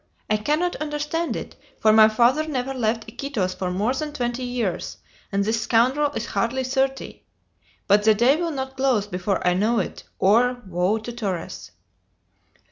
I cannot understand it, for my father never left Iquitos for more than twenty years, and this scoundrel is hardly thirty! But the day will not close before I know it; or, woe to Torres!"